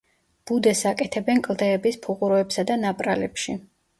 ბუდეს აკეთებენ კლდეების ფუღუროებსა და ნაპრალებში.